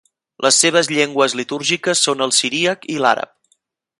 Les seves llengües litúrgiques són el siríac i l'àrab.